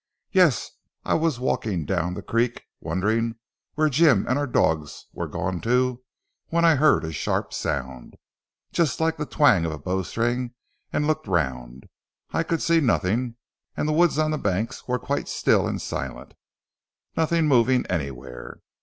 "Yes. I was walking down the creek, wondering where Jim and our dogs were gone to, when I heard a sharp sound, just like the twang of a bowstring and looked round. I could see nothing, and the woods on the banks were quite still and silent, nothing moving anywhere.